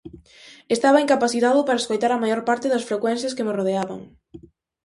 Estaba incapacitado para escoitar a maior parte das frecuencias que me rodeaban.